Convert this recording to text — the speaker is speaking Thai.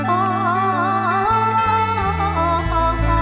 โอ๋อุ๊ยละหนะ